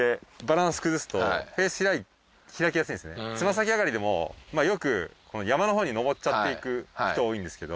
つま先上がりでもよく山のほうにのぼっちゃっていく人多いんですけど。